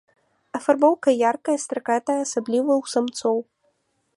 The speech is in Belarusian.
Афарбоўка яркая, стракатая, асабліва у самцоў.